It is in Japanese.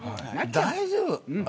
大丈夫。